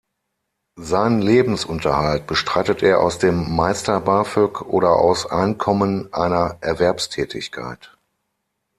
Seinen Lebensunterhalt bestreitet er aus dem Meister-Bafög oder aus Einkommen einer Erwerbstätigkeit.